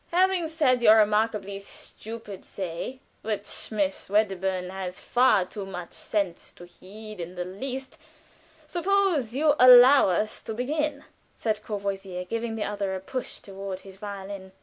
"Having said your remarkably stupid say, which Miss Wedderburn has far too much sense to heed in the least, suppose you allow us to begin," said Courvoisier, giving the other a push toward his violin.